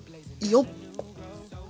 よっ！